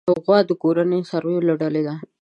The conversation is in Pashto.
غوا د کورني څارويو له ډلې څخه ده.